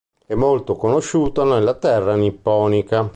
È molto conosciuto nella terra nipponica.